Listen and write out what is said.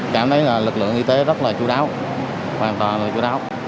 cảm thấy lực lượng y tế rất là chú đáo hoàn toàn là chú đáo